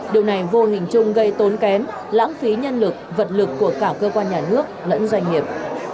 điều này vô hình chung gây tốn kém lãng phí nhân lực vật lực của cả cơ quan nhà nước lẫn doanh nghiệp